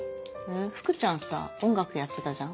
福ちゃんさ音楽やってたじゃん。